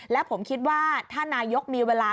และผมคิดว่าถ้านายกมีเวลา